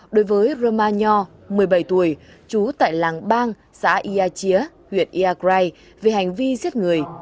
đối với roma nho một mươi bảy tuổi trú tại làng bang xã ia chía huyện iagrai về hành vi giết người